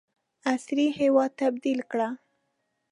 عصري هیواد تبدیل کړ.